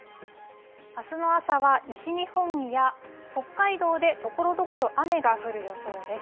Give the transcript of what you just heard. あすの朝は西日本や北海道でところどころ雨が降る予想です。